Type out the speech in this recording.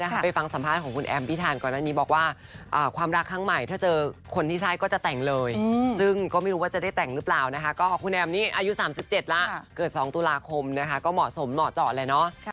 หว่างก็เจอกันไม่หว่างก็ไม่เป็นไรโทรคุยกันก็ได้